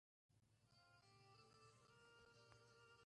تاریخ د خپل ولس د مساوات لامل دی.